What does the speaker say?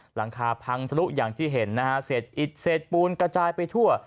หลังคาพังทะลุอย่างที่เห็นนะฮะเศษอิดเศษปูนกระจายไปทั่ว